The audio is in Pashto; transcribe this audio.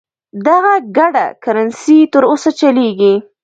دغه ګډه کرنسي تر اوسه چلیږي.